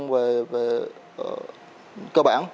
về cơ bản